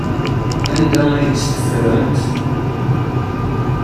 Anda ay t-teffremt?